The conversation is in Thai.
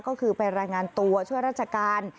ก็คือไปรายงานตัวช่วยราชการ